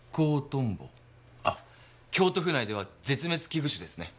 あっ京都府内では絶滅危惧種ですね。